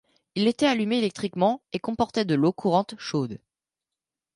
Il était allumé électriquement et comportait de l'eau courante chaude.